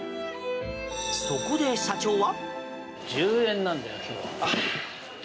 そこで社長は。